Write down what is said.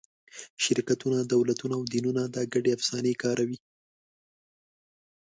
شرکتونه، دولتونه او دینونه دا ګډې افسانې کاروي.